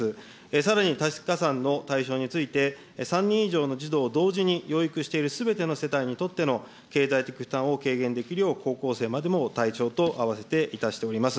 さらに多子加算の対象について、３人以上の児童を同時に養育しているすべての世帯にとっての経済的負担を軽減できるよう、高校生までも対象とあわせていたしております。